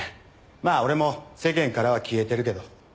まあ俺も世間からは消えてるけど。